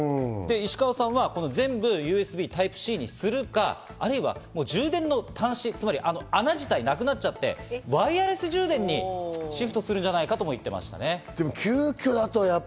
石川さんは全部ＵＳＢタイプＣにするか充電の端子、穴自体がなくなっちゃって、ワイヤレス充電にシフトするんじゃないかとも言ってました。